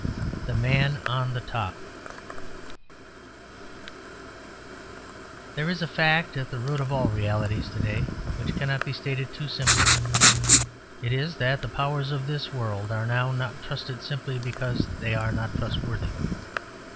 THE MAN ON TOP There is a fact at the root of all realities to day which cannot be stated too simply. It is that the powers of this world are now not trusted simply because they are not trustworthy.